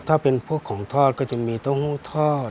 ถ้าเป็นพวกของทอดก็จะมีเต้าหู้ทอด